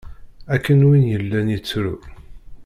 Akken win yellan yettru.